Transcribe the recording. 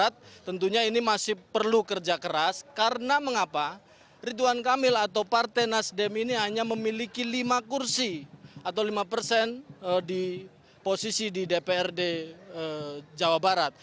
tentunya ini masih perlu kerja keras karena mengapa ridwan kamil atau partai nasdem ini hanya memiliki lima kursi atau lima persen di posisi di dprd jawa barat